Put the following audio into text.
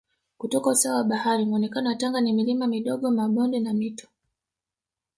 kutoka usawa wa bahari Muonekeno wa Tanga ni milima midogo mabonde na Mito